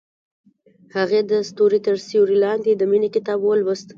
هغې د ستوري تر سیوري لاندې د مینې کتاب ولوست.